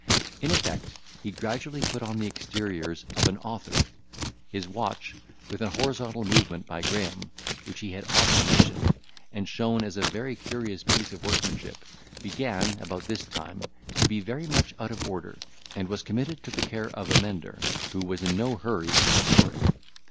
In effect, he gradually put on the exteriors of an author. His watch, with an horizontal movement by Graham, which he had often mentioned, and shown as a very curious piece of workmanship, began, about this time, to be very much out of order, and was committed to the care of a mender, who was in no hurry to restore it.